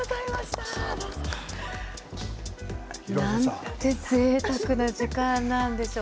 なんてぜいたくな時間なんでしょう。